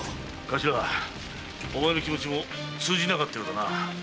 頭お前の気持ちも通じなかったようだな。